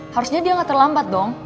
harusnya dia nggak terlambat dong